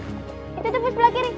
itu itu belakang kiri